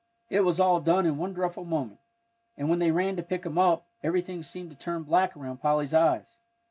It was all done in one dreadful moment, and when they ran to pick him up, everything seemed to turn black around Polly's eyes.